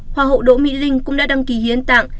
hoa hậu đỗ mỹ linh cũng đã đăng ký hiến tặng